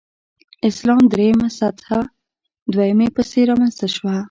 اسلام درېمه سطح دویمې پسې رامنځته شوه.